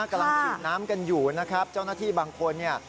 กำลังฉีดน้ำกันอยู่นะครับเจ้าหน้าที่บางคนเนี่ย